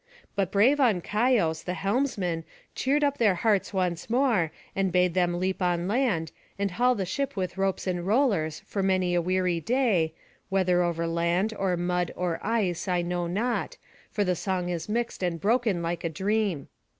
But brave Ancaios the helmsman cheered up their hearts once more, and bade them leap on land, and haul the ship with ropes and rollers for many a weary day, whether over land, or mud, or ice, I know not, for the song is mixed and broken like a dream.